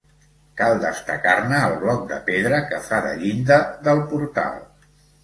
Cal destacar-ne el bloc de pedra que fa de llinda del portal.